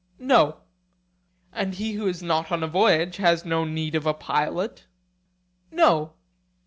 No. And he who is not on a voyage has no need of a pilot? No.